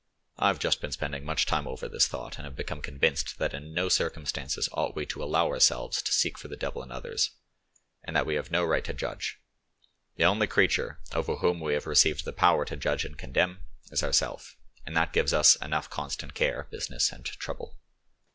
I have just been spending much time over this thought, and have become convinced that in no circumstances ought we to allow ourselves to seek for the devil in others, and that we have no right to judge; the only creature over wham we have received the power to judge and condemn is ourself, and that gives us enough constant care, business, and trouble.